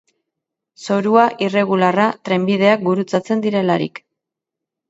Zorua irregularra, trenbideak gurutzatzen direlarik.